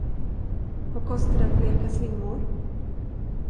Vad kostar det att bleka slingor?